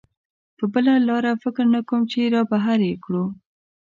په بله لاره فکر نه کوم چې را بهر یې کړو.